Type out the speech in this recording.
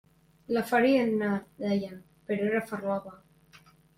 La farina, deien, però era farlopa.